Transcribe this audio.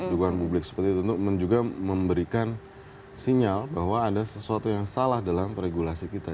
dukungan publik seperti itu untuk juga memberikan sinyal bahwa ada sesuatu yang salah dalam regulasi kita